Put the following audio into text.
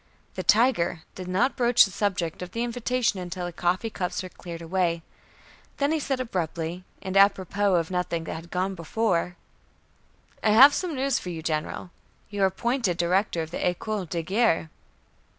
The "Tiger" did not broach the subject of the invitation until the coffee cups were cleared away. Then he said abruptly, and apropos of nothing that had gone before: "I have some news for you, General. You are appointed Director of the École de Guerre."